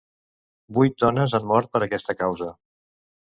Vuit dones han mort per aquesta causa.